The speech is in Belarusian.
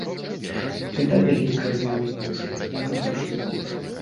Бяда вялікая з намі будзе, я гэта чую.